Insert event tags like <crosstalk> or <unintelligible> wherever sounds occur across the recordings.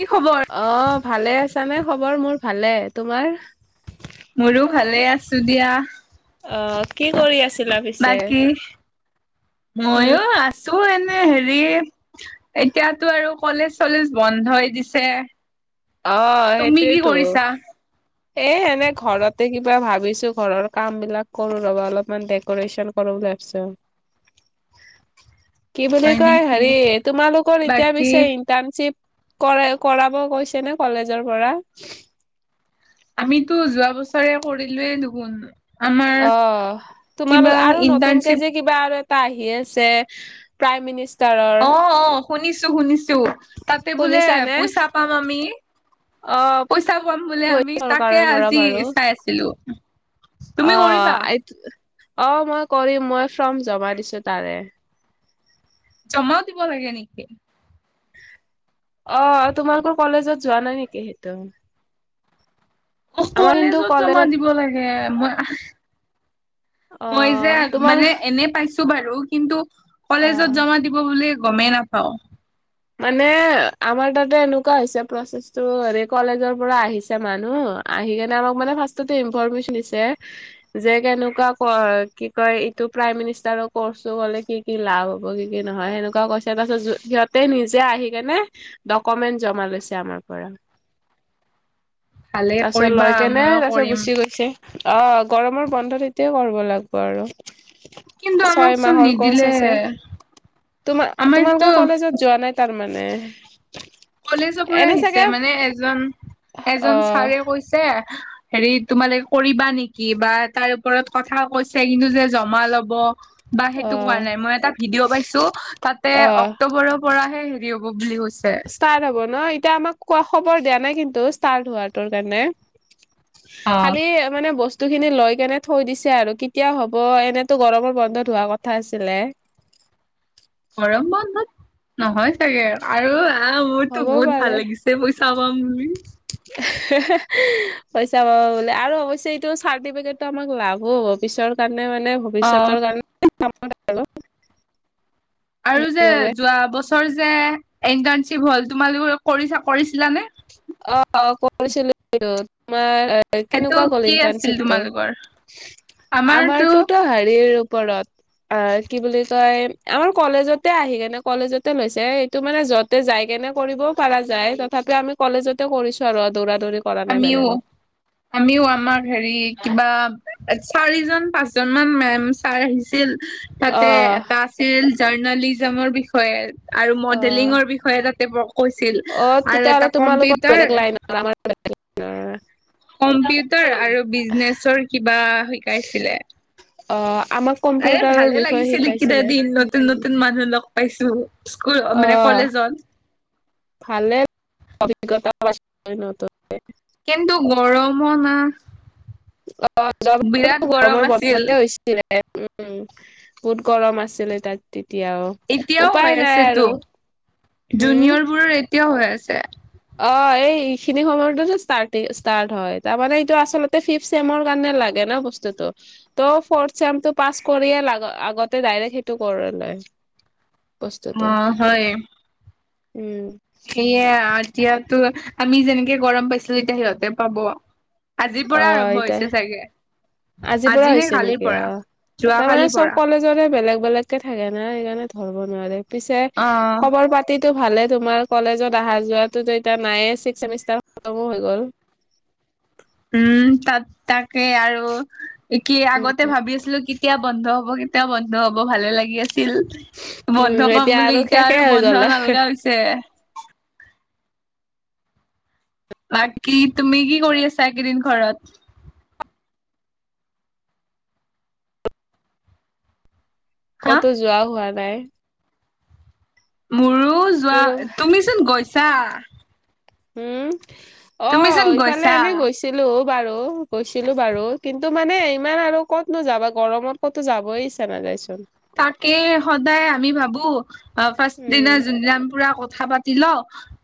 কি খবৰ? অ', ভালে আছানে, খবৰ মোৰ ভালে তোমাৰ? মোৰো ভালে আছো দিয়া। অ', কি কৰি আছ বাকী হুম, মইয়ো আছো এনে হেৰি এতিয়াতো কলেজ-চলেজ বন্ধয়ে দিছে। অ' তুমি কি সেইটোয়েতো। কৰিছা? এ এনে ঘৰতে কিবা ভাবিছো ঘৰৰ কাম বিলাক কৰো ৰবা অলপমান ডেক'ৰেশচন কৰো বুলি লাগছো <inaudible> কি বুলি কয় নেকি? হেৰি তোমালোকৰ এতিয়া বাকী পিছে ইন ইন্টানশ্বিপ কৰে কৰাব কৈছে নে কলেজৰ পৰা আমিতো যোৱা বছৰে কৰিলো য়ে দুগোন অ তোমালোক আৰু নতুনকে ইন্টাৰ্ণশ্বিপ যে কিবা আৰু এটা আহি আছে প্ৰাইমিছ অ অ শুনিছো শুনিছো তাতে বোলে শুনিছানে? পইচা পাম আমি অ' পইচা পাম বুলিয়ে আমি তাকে চৰকাৰৰ পৰা আজি বাৰু। চাই আছিলো তুমি অ কৰিবা? অ মই কৰিম মই ফৰ্ম জমা দিছো তাৰে। জমাও দিব লাগে নিকি? অ' তোমালোকৰ কলেজত যোৱা নাই নেকি সেইটো অ' আমাৰ কিন্তু কলেজত জমা দিব লাগে, মই অ মই যে তোমাৰ মানে এনে পাইছ বাৰু কিন্তু অ কলেজত জমা দিব বুলি গ'মেই নাপাও মানে আমাৰ তাতে এনেকুৱা হৈছে প্ৰচেছটো হেৰি কলেজৰ পৰা আহিছে মানুহ। আহিকেনে আমাক মানে ফাৰ্ষতে ইনফমেশচন দিছে যে কেনেকুৱা কি কয় ইটো প্ৰাইম মিনিষ্টাৰৰ কৌৰচ ল'বলে কি কি লাভ হ'ব কি কি নহয়, সেনেকুৱা কৈছে তাৰছত য সিহত তে নিজে আহি কেনে ডকমেন্ট জমা লৈছে আমাৰ পৰা। ভালে তাৰছত কৰিবা লৈ কেনে ময়ো তাৰ পিছত কৰিম গুচি গৈছে। অ' গৰমৰ বন্ধ তেতিয়া কৰিব লাগব আৰু। কিন্তু আমাক ছয় চোন মাহৰ নিদিলে কৰ্চ আছে, তোমাৰ আমাৰতো তোমালোকৰ কলেজত যোৱা নাই তাৰ মানে কলেজৰ পৰা আহিছে, মানে এজন অ এজন ছাৰে কৈছে হেৰি তোমালোকে কৰিবা নেকি? বা তাৰ ওপৰত কথা কৈছে কিন্তু যে জমা ল'ব বা অ সেইটো কোৱা নাই, মই এটা ভিদিঅ' পাইছো তাতে অ অক্টোবৰ পৰাহে হেৰি হ'ব বুলি কৈছে। ষ্টাৰ্ট হব ন' এতিয়া আমাক কোৱা খবৰ দিয়া নাই কিন্তু ষ্টাৰ্ট হোৱাটো কাৰণে অ খালি মানে বস্ স্তু খিনি লৈ কেনে থৈ দিছে আৰু কেতিয়া হ'ব, এনেতো গৰমৰ বন্ধত হোৱা কথা আছিলে গৰম বন্ধত নহয় চাগে আৰু আহ মোৰতো হ'ব বহুত পাৰে ভাল লাগিছে। চে পইচা পাম বুলি। পইচা পাব বোলে আৰু অৱশ্যে এইটো চাৰ্টিফিকেটটো আমাক লাভো হ'ব, পিছৰ কাৰণে মানে অ ভৱিষ্যতৰ কাৰণে <unintelligible> আৰু যে বাবে যোৱা বছৰ যে ইণ্টাৰ্ণশ্বিপ হ'ল তোমালোকে কৰিছা কৰিছিলা নে অ' কৰিছিলো, তোমাৰ সেইটো কেনেকুৱা গ'ল কি আছিল ইণ্টাৰ্ণশ্বিপটো? তোমালোকৰ? আমাৰতো আমাৰটোত' হেৰিৰ ওপৰত এঁ কি বুলি কয়, আমাৰ কলেজতে আহি কেনে কলেজতে লৈছে এ তো মানে যতে যাই কেনে কৰিবও পৰা যায়, তথাপি আমি কলেজতে কৰিছো আৰু দৌৰা দৌৰি কৰা নাই আমিও বেলেগত আমিও আমাৰ হেৰি কিবা চাৰিজন পাঁচ জন মান মেম চাৰ আহিছিল। তাতে অ এটা আছিল জাৰ্ণালিজমৰ বিষয়ে আৰু অ মডেলিঙৰ বিষয়ে হয়ে তাতে ব কৈছিল অ আৰু তেতিয়াহ'লে এটা তোমালোকৰ কম্পিউটাৰ <unintelligible> কম্পিউটাৰ আৰু বিজনেছ কিবা শিকাইছিলে্ অ' আমাক এই কম্পিউটাৰৰ ভালে বিষয়ে লাগিছিল এই কেইটা শিকাইছিলে দিন, নতুন নতুন মানুহ লগ পাইছো স্কুল অ মানে কলেজত। ভালে অভিজ্ঞতা নত <unintelligible> কিন্তু গৰমৰ মাহ গৰমৰ যোৱা বছৰটো গৰমৰ আছিল বন্ধতে হৈছে। ছিলে উম বহুত গৰম আছিলে তাত তেতিয়াও। ইতিয়াও উপায় হৈ নাই আছে আৰু তো, হম জুনিয়ৰ বোৰৰ ইতিয়াও হৈ আছে। অ' এই এইখিনি সময়তো যে ষ্টাৰ্টি ষ্টাৰ্ট হয়, তাৰমানে এইটো আচলতে ফিফ্ট চেমৰ কাৰণে লাগে ন' বস্ টো ত' ফ'ৰ্ট চেমটো পাছ কৰিয় আগতে ডাইৰেক্ট সেইটো কৰি লয়। <inaudible> অ বস্তটো হয় উম, সেয়ে এতিয়াতো আমি যেনেকে গৰম পাইছিলো এতিয়া সিহঁতে পাব। আজিৰ অ পৰা আৰম্ভ এটাই হৈছে চাগে? আজিৰ পৰা আজি নে হৈছে কালিৰ নেকি? পৰা অ' যোৱা তাৰমানে কালিৰ চব পৰা কলেজ জনে বেলেগ, বেলেগ কে থাকে না সেইকাৰণে ধৰব নোৱাৰি, পিছে অ খবৰ পাত তিটো ভালে তোমাৰ? কলেজত অহা যোৱাতটো এতিয়া নাইয়ে, ছিক্স চেমিষ্টাৰ খটমো হৈ গ'ল। উম, তাত তাকে আৰু কি আগতে ভাবি আছিলো কেতিয়া বন্ধ হব কেতিয়া বন্ধ হ'ব ভালে লাগি আছিল। বন্ধ উম পাম বুলি এতিয়া শেষে আৰু হৈ বন্ধ গ'ল নালগা হৈছে। বাকী তুমি কি কৰি আছা একেইদিন ঘৰত? হা ক'তো যোৱা হোৱা নাই? মোৰো যোৱা, বোলো তুমিচোন গৈছা। উম, তুমিচোন অ' ইফালে গৈছা এনে গৈছ ছিলো বাৰু গৈছিলো বাৰু, কিন্তু মানে ইমান আৰু ক'ত নো যাবা গৰমত ক'ত যাবই ইচ্ছা নাযাইচোন? তাকে সদায় আমি ভাবো অ' ফাৰ্ষ্ট দিনা উম যোনযাম পুৰা কথা পা তিলো।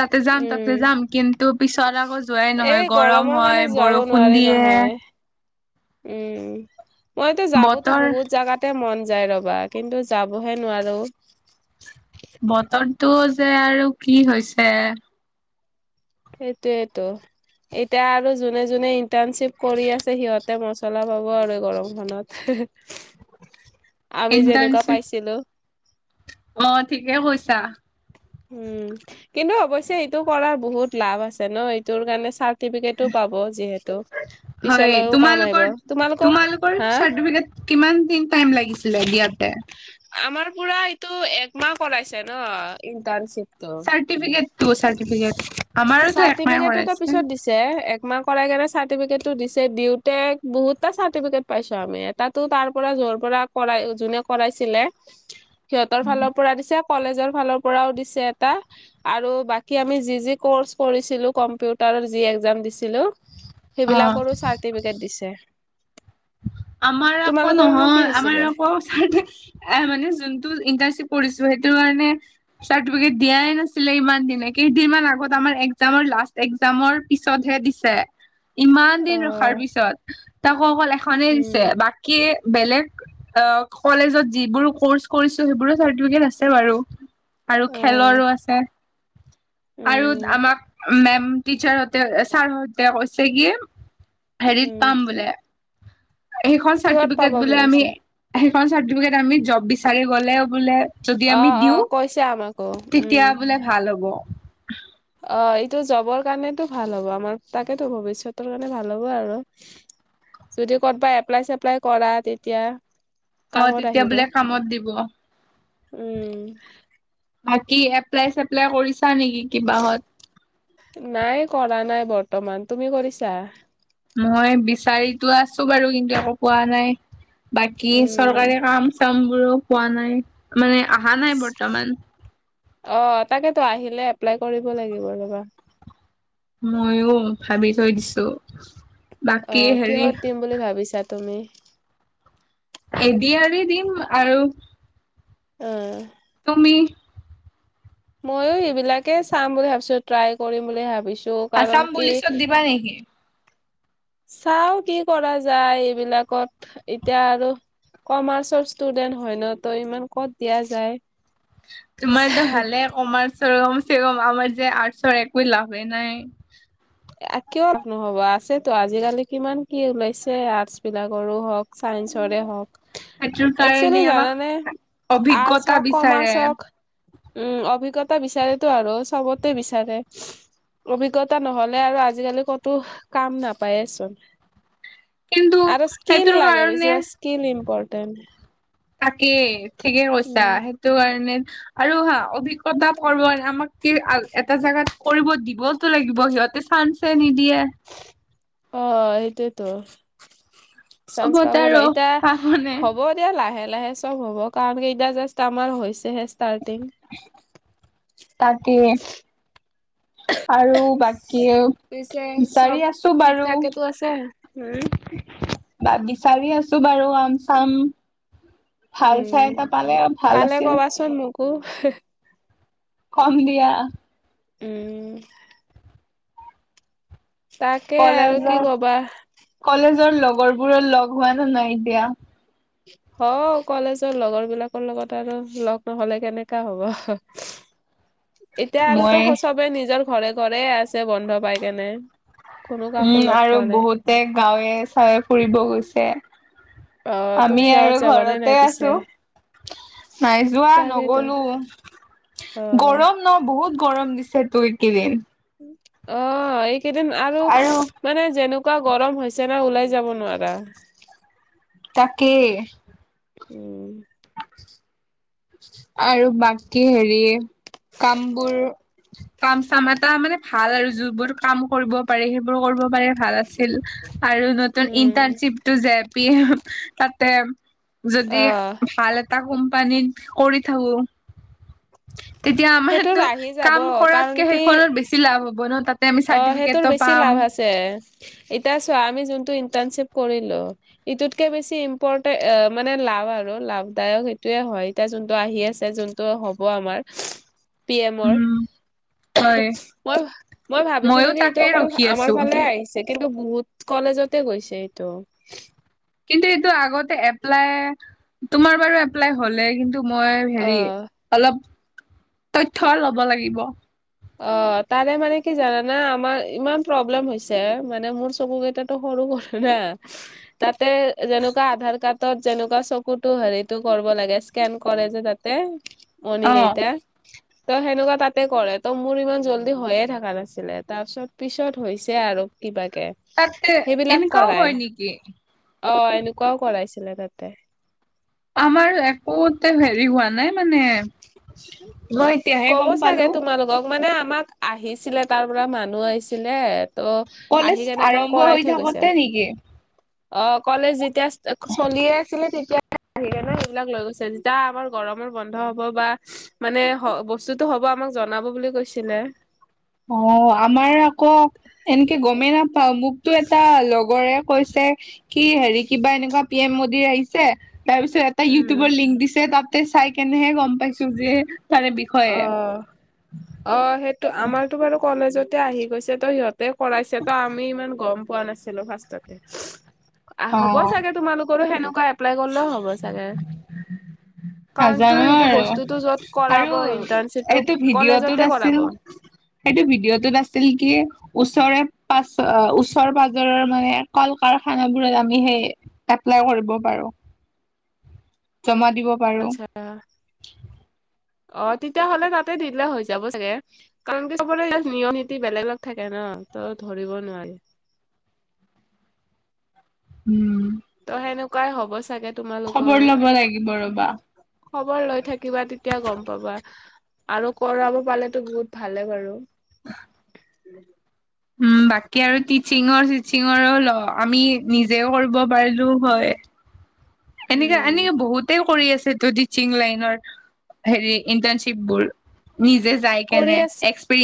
তাতে যাম, তাতে উম যাম, কিন্তু পিছত আকৌ যোৱাই এই নহয় গৰম গৰমৰ কাৰণে হয় যাব বৰষুণ নোৱাৰি দিয়ে। নহয় উম, মইতো যাবতো বতৰ বহুত জাগাত তে মন যায় ৰ'বা, কিন্তু যাবহে নোৱাৰো। বতৰটো যে আৰু কি হৈছে? সেইটোৱেটো। এতিয়া আৰু যোনে, যোনে ইন্টাৰ্ণশ্বিপ কৰি আছে সিহঁতে মচলা পাব আৰু। গৰমখনত হে-হে। আমি যেনেকুৱা ইণ্টাৰ্ণশ্বিপ পাইছিলো। অ' ঠিকে কৈছা। উম, কিন্তু অৱশ্যে এইটো কৰাৰ বহুত লাভ আছে ন? এইটোৰ কাৰণে চাৰ টিফিকেটো পাব যিহেতু হয় পিছলৈও কাম আহিব তোমালোকৰ তোমালোকক তোমালোকৰ হা চাৰ্টিফিকেট কিমান দিন টাইম লাগিছিলে দিয়াতে? আমাৰ পুৰা এইটো একমাহ কৰাইছে ন ইণ্টাৰ্ণশ্বিপ টো চাৰ্টিফিকেটটো চাৰ্টিফিকেট আমাৰোতো একমাহ চাৰ্টিফিকেটো কৰাইছে পিছত দিছ ছে একমাহ কৰাই চাৰ্টিফিকেট টো দিছে, দিওঁতে বহুতটা চাৰ্টিফিকেট পাইছো আমি, এটাতো তাৰ পৰা যৰ পৰা কৰাই যোনে কৰাইছিলে। <inaudible> সিহঁতৰ ফালৰ পৰা দিছে, কলেজৰ ফালৰ পৰাও দিছে এটা। আৰু বাকী আমি যি, যি কৰ্চ কৰিছিলো কম্পিউটাৰৰ যি এক্সাম দিছিলো। অ সেইবিলাকৰো চাৰ্টিফিকেট দিছে। আমাৰ আকৌ তোমালোকৰনো কি নহয়, হৈছিলে আমাৰ আকৌ চৰ্টিফি এ মানে, যোনটো ইণ্টাৰ্শ্বিপ কৰিছোঁ, সেইটো কাৰণে চাৰ্টিফিকেট দিয়াই নাছিলে ইমান দিনে, কেইদিনমান আগত আমাৰ, এক্সামৰ লাষ্ট এক্সামৰ পিছতহে দিছে। ইমান অ দিন ৰখাৰ পিছত, তাকো অকল এখনেই উম দিছে, বাকী বেলেগ অ' কলেজত যিবোৰ কৰ্চ কৰিছো সেইবোৰ চাৰ্টিফিকেট আছে বাৰু। আৰু অ খেলৰো আছে। আৰু উম আমাক মেম, টিচাৰ হঁতে, ছাৰ হঁতে কৈছে কি হেৰিত উম পাম বোলে। সেইখন কিহত চাৰ্টিফিকেট পাবা বোলে বুলি আমি, কৈছে সেইখন চাৰ্টিফিকেট আমি জব বিচাৰি গ'লে বোলে যদি অ আমি অ দিওঁ, কৈছে আমাকো উম তেতিয়া বোলে ভাল হ'ব। অ', এইটো জবৰ কাৰণেতো ভাল হ'ব আমাৰ, তাকেতো ভবিষ্যতৰ কাৰণে ভাল হ'ব আৰু। যদি ক'তবা এপ্লাই চেপ্লাই কৰা, তেতিয়া অ কামত তেতিয়া আহিব, বোলে কামত দিব উম। বাকী, এপ্লাই, চেপ্লাই কৰিছা নেকি কিবাহত? নাই কৰা নাই বৰ্তমান, তুমি কৰিছা? মই বিচাৰিতো আছোঁ বাৰু, কিন্তু একো পোৱা নাই। বাকী, চৰকাৰী উম কাম-চাম বোৰো পোৱা নাই, মানে আহা নাই বৰ্তমান। অ', তাকেতো আহিলে এপ্লাই কৰিব লাগিব ৰ'বা। মইও ভাবি থৈ দিছোঁ। অ', কিহত দিম বুলি ভাবিছা তুমি? এ ডি আৰ ই দিম, আৰু অ'। তুমি? ময়ো সেইবিলাকে চাম বুলি ভাবিছোঁ, ট্ৰাই কৰিম বুলি ভাবিছোঁ। আছাম কাৰণ কি <unintelligible> নেকি? চাওঁ কি কৰা যায় এইবিলাকত, এতিয়া আৰু কমাৰ্চৰ ষ্টুডেন্ট হয় ন তই, ইমান ক'ত দিয়া যায়। তোমাৰতো ভালে কমাৰ্চৰ কমচেকম, আমাৰ যে আৰ্টছৰ একো লাভেই নাই। আ, কিয় নহ'ব আছেতো, আজিকালি কিমান কি ওলাইছে আৰ্টচ বিলাকৰো হওঁক চায়েঞ্চৰে হওঁক। সেইটোৰ একচুৱেলি কাৰণে আমাক জানানে? আৰ্টছ অভিজ্ঞতা হওঁক, বিচাৰে কমাৰ্চ হওঁক উম, অভিজ্ঞতা বিচাৰেতো আৰু চবতে বিচাৰে। অভিজ্ঞতা নহ'ল লে আৰু আজিকালি ক'টো, কাম নাপায়েচোন। কিন্তু আৰু স্কিল সেইটোৰ লাগে কাৰণে বেছিভাগ স্কিল ইম্পৰ্টেণ্ট। তাকেই, ঠিকে কৈছা সেইটো কাৰণে আৰু হা অভিজ্ঞতা <unintelligible> আমাক কি আ, এটা জাগাত কৰিব দিবতো লাগিব সিহঁতে চান্স য়েই নিদিয়ে। অ', এইটোৱেতো। চান্স চবতে পাব আৰু লাগে, এইতা পাহনে হ'ব দে এতিয়া লাহে, লাহে চব হ'ব কাৰণ কেইটা জাষ্ট আমাৰ হৈছেহে ষ্টাৰ্টিং। তাকে। আৰু বাকী, পিছে চব বিচাৰি আছোঁ ঠিক বাৰু। থাকেতো আছে উম বাদ বিচাৰি আছোঁ বাৰু, আম চাম। ভাল চাই উম এটা পালে, ভাল পালে আছিল। <unintelligible> কম দিয়া। উম। তাকে আৰু কি কলেজৰ, কবা কলেজৰ লগৰবোৰৰ লগ হোৱা <unintelligible> নাই এতিয়া। হওঁ কলেজৰ লগৰ বিলাকৰ লগত আৰু লগ নহলে কেনেকা হ'ব? <inaudible> এতিয়া আৰুতো মই চবে নিজৰ ঘৰে ঘৰে আছে বন্ধ পাই কেনে। কোনো কাকো লগ পোৱা নাই। তে গাঁৱে চাঁৱে ফুৰিব গৈছে। অ', আমি তুমি গাঁৱত আৰু যাবানে ঘৰতে নাই পিছে? আছো। নাই যোৱা তাকেইতো। নগলো। অ। গৰম ন বহুত গৰম দিছে তো এইকেইদিন। অ এইকেইদিন আৰু মানে যেনেকুৱা গৰম হৈছে না ওলাই যাব নোৱাৰা। তাকেই। উম। আৰু বাকী হেৰি কামবোৰ কাম চাম এটা মানে ভাল আৰু যিবোৰ কৰিব পাৰে সেইবোৰ কৰিব পাৰে ভাল আছিল। আৰু নতুন উম, ইন্টাণৰ্শিপ টো যে পি তাতে যদি অ', ভাল এটা কোম্পানীত কৰি থাকো। তেতিয়া সেইটোৰ আমাৰতো আহি যাব কাম কাৰণ কৰাতকে কি সেইখনত বেছি লাভ হব ন তাত। তে অ', সেইটোৰ চাৰ্টিফিকেটো বেছি পাম। লাভ আছে। এতিয়া চোৱা আমি যোনটো ইন্টাৰ্ণশ্বিপ কৰিলো। ইটোকে বেছি ইনপ্ৰতেন্ত মানে লাভ আৰু লাভদায়ক সেইটোয়ে হয়। এতিয়া যোনটো আহি আছে যোনটো হ'ব আমাৰ <unintelligible> পি এমৰ। উম হয় মই ভাবিছিলো ময়ো কি এইটো তাকে অকল ৰখি আমাৰ আছো ফালে আহিছে কিন্তু বহুত কলেজতে গৈছে এইটো। কিন্তু এইটো আগতে এপ্লাই তোমাৰ বাৰু এপ্লাই হলে কি ন্তু মই অ হেৰি অলপ তথ্যয় লব লাগিব। অ তাৰে মানে কি জানাানা আমাৰ ইমান প্ৰব্লেম হৈছে মানে মোৰ চকু কেইটাত। ত সৰু সৰু না ত তাতে যেনেকুৱা আধাৰ কাৰ্ডত যেনেকুৱা চকুতো হেৰিতটো কৰিব লাগে স্কেন কৰে যে তাত তে মণি অ কেইটা ত সেনেকুৱা তাতে কৰে। ত মোৰ ইমান জল্দি হৈয়ে থকা নাছিলে তাৰ পিছত পিছত হৈছে আৰু কিবাকে। তাতে সেইবিলাক এনেকাও কৰাই হয় নেকি? অ এনেকুৱাও কৰাইছিলে তাতে। আমাৰ একোতে হেৰি হোৱা নাই মানে। মই এতিয়াহে ক'ব গম চাগে পালো তোমালোকক মানে আমাক আহিছিলে তাৰ পৰা মানুহ আহিছিলে ত। কলেজ আহি কেনে আমাক আৰম্ভ কৰাই হৈ থৈ গৈছে। থাকোতে নেকি অ কলেজ যেতিয়া চলিয়ে আছিলে তেতিয়া সেইকাৰণে সেইবিলাক লৈ গৈছে, যেতিয়া আমাৰ গৰমৰ বন্ধ হব বা মানে বস্তুতটো হ'ব আমাক জনাব বুলি কৈছিলে। অ আমাৰ আকৌ এনেকে গমে নাপা। বা মোকতো এটা লগৰে কৈছে কি হেৰি কিবা এনেকুৱা পি এম ম দী আহিছে তাৰ পিছত এটা উম ইউটিউবৰ লিংক দিছে তাতে চাই কেনেহে গম পাইছো যে তাৰে বিষয়ে। অ অ সেইটো আমাৰতো বাৰু কলেজতে আহি গৈছে তো সিহঁত তে কৰাইছে ত আমি ইমান গম পোৱা নাছিলো ফাৰ্ষ্টততে। আ অ হ'ব চাগে তোমালোকৰো সেনেকুৱা এপ্লাই কৰিলেও হ'ব চাগে। কাৰনটো নাজানো সেইটো আৰু বস্তুটো য'ত আৰু কৰাব ইন্টাৰণশ্বিপটো এইটো ভিডিঅ'টোত কলেজতে আছিল কৰাব। সেইটো ভিডিঅ' টোত আছিল কি ওচৰে পাছ, আ ওচৰ পাজৰৰ মানে কল কাৰখানা বোৰত আমি সেই এপলাই কৰিব পাৰো, জমা দিব পাৰো আচ্ছা অ', তেতিয়াহ'লে তাতে দিলে হৈ যাব চাগে। কাৰণ কি, চবৰে নিয়ম নীতি বেলেগত থাকে ন', ত' ধৰিব নোৱাৰি। উম। ত', সেনেকুৱাই হ'ব চাগে। তোমালোকৰো খবৰ ল'ব লাগিব ৰ'বা। খবৰ লৈ থাকিবা, তেতিয়া গম পাবা। আৰু কৰাব পালেতো বহুত ভালে বাৰু। <unintelligible> উম, বাকী আৰু টিচিঙৰ, চিচিঙৰো ল আমি নিজেও কৰিব পাৰিলো হয়। এনেকা, উম এনেকে বহুতেই কৰি আছে টদি চিং লাইনৰ, হেৰি ইন্টাৰ্নচিপবোৰ নিজে যায় কৰি কেনে আছা এক্স